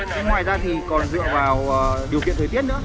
thế ngoài ra thì còn dựa vào điều kiện thời tiết nữa